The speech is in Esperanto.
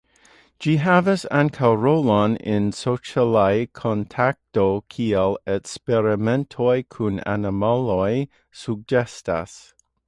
Ĝi havas ankaŭ rolon en socialaj kontakto, kiel eksperimentoj kun animaloj sugestas.